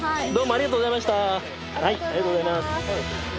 ありがとうございます。